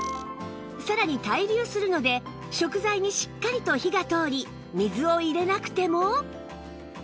さらに対流するので食材にしっかりと火が通り水を入れなくても